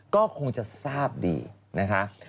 ก็คงจะทราบดีนะคะ